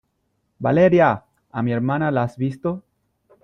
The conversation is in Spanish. ¡ Valeria !¿ a mi hermana la has visto ?